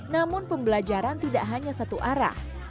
namun pembelajaran tidak hanya satu arah